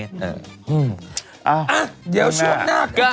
เดี๋ยวเชื่อมนาค